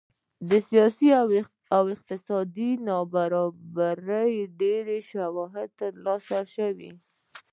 د سیاسي او اقتصادي نابرابرۍ ډېر شواهد ترلاسه شوي